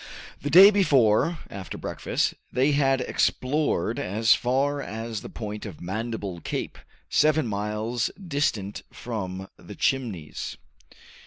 The day before, after breakfast, they had explored as far as the point of Mandible Cape, seven miles distant from the Chimneys.